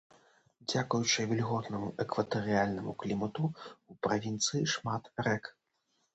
Дзякуючы вільготнаму экватарыяльнаму клімату ў правінцыі шмат рэк.